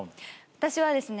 私はですね